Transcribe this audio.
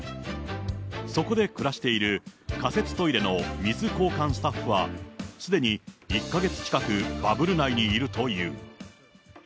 そこで暮らしている仮設トイレの水交換スタッフは、すでに１か月近く、バブル内にいるという。